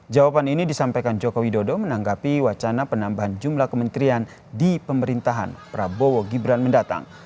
jawaban ini disampaikan joko widodo menanggapi wacana penambahan jumlah kementerian di pemerintahan prabowo gibran mendatang